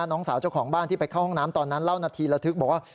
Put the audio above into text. น้องสาวเจ้าของบ้านที่ไปเข้าห้องน้ำตอนนั้นเล่านาทีระทึกบอกว่า